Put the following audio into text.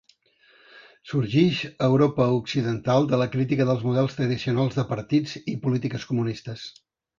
Sorgix a Europa occidental de la crítica dels models tradicionals de partits i polítiques comunistes.